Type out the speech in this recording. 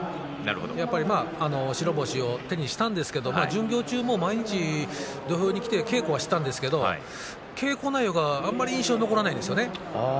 やっぱり白星を手にしたんですけれど巡業中も毎日土俵に来て稽古をしていたんですけれど稽古内容があまり印象に残らないですよね。